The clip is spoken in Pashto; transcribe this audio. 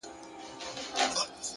نظم د ګډوډ ژوند درمل دی,